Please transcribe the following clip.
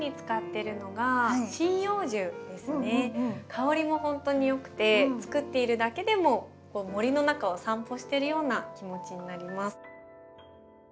香りもほんとによくて作っているだけでも森の中を散歩してるような気持ちになります。